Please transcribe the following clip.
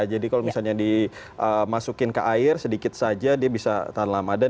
kalau misalnya dimasukin ke air sedikit saja dia bisa tahan lama dan